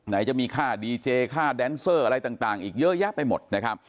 ไหนจะมีค่าดีเจค่าแดนเซอร์อะไรต่างอีกเยอะแยะไปหมดนะครับ